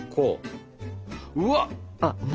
うわっ！